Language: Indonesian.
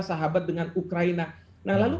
sahabat dengan ukraina nah lalu